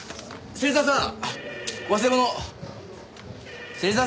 芹沢さん！